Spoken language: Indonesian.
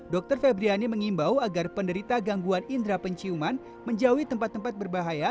dokter febriani mengimbau agar penderita gangguan indera penciuman menjauhi tempat tempat berbahaya